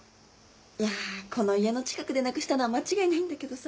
いやこの家の近くでなくしたのは間違いないんだけどさ。